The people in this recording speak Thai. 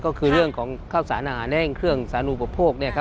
ก็คือเรื่องของข้าวสารอาหารแห้งเครื่องสารอุปโภค